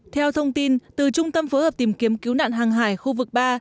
theo thông tin từ trung tâm phối hợp tìm kiếm cứu nạn hàng hải khu vực ba